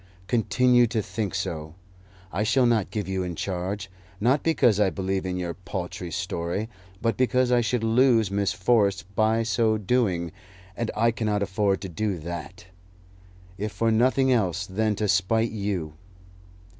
Continue to think so. I shall not give you in charge not because I believe in your paltry story, but because I should lose Miss Forrest by so doing, and I cannot afford to do that, if for nothing else than to spite you.